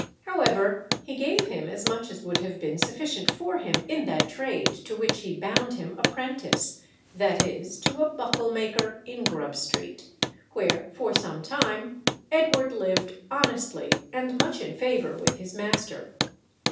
However, he gave him as much as would have been sufficient for him in that trade to which he bound him apprentice, viz., to a buckle maker in Grub Street, where for some time Edward lived honestly and much in favour with his master.